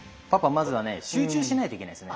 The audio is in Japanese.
まずは集中しないといけないですね。